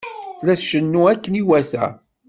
Tella tcennu akken iwata.